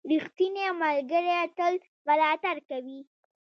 • ریښتینی ملګری تل ملاتړ کوي.